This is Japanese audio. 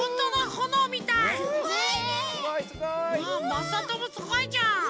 まさともすごいじゃん！